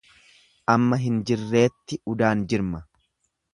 Amma hin jirreetti udaan jirma.